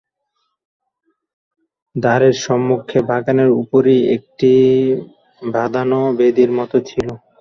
দ্বারের সম্মুখে বাগানের উপরেই একটি বাঁধানো বেদির মতো ছিল।